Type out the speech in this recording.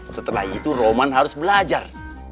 setelah itu roman harus belajar